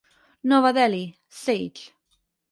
Nova Delhi: Sage.